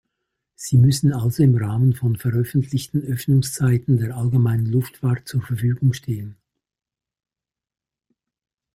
Sie müssen also im Rahmen von veröffentlichten Öffnungszeiten der Allgemeinen Luftfahrt zur Verfügung stehen.